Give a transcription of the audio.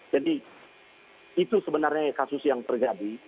jadi itu sebenarnya kasus yang terjadi